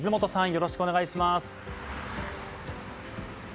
よろしくお願いします。